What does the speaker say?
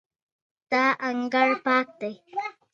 احمده د خپل ورور له سترګو خاشه نه اخلي.